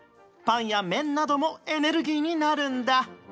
パンやめんなどもエネルギーになるんだ。